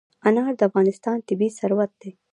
انار د افغانستان طبعي ثروت دی.